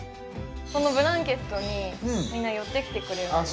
このブランケットにみんな寄ってきてくれるみたいですよ